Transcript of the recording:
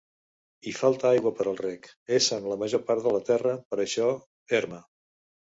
Hi falta aigua per al reg, essent la major part de terra, per això, erma.